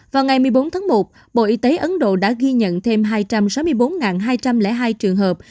vào ngày một mươi bốn tháng một bộ y tế ấn độ đã ghi nhận thêm hai trăm sáu mươi bốn hai trăm linh hai trường hợp